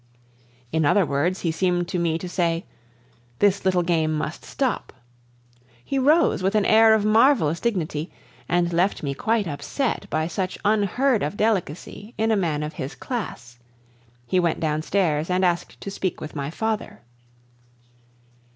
In other words, he seemed to me to say, "This little game must stop." He rose with an air of marvelous dignity, and left me quite upset by such unheard of delicacy in a man of his class. He went downstairs and asked to speak with my father.